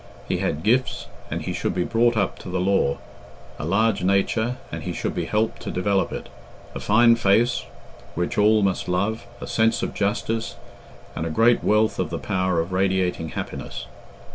He had gifts, and he should be brought up to the law; a large nature, and he should be helped to develop it; a fine face which all must love, a sense of justice, and a great wealth of the power of radiating happiness.